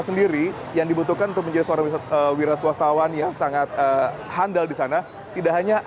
sendiri yang dibutuhkan untuk menjadi seorang wira swastawan yang sangat handal di sana tidak hanya